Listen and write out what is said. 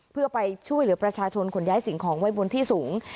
เพื่อไปช่วยเหลือประชาชนขนย้ายสิ่งของไว้บนที่สูง